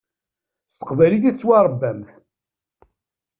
S teqbaylit i tettwaṛebbamt.